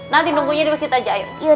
nanti nunggunya diwesit aja